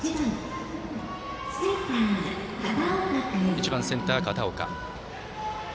１番、センター、片岡。